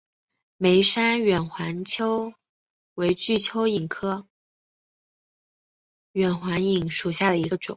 梅山远环蚓为巨蚓科远环蚓属下的一个种。